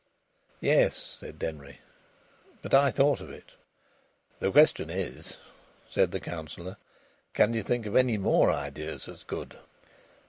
"Yes," said Denry, "but I thought of it." "The question is," said the Councillor, "can you think of any more ideas as good?"